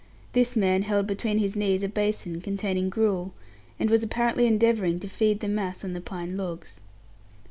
This man held between his knees a basin containing gruel, and was apparently endeavouring to feed the mass on the pine logs.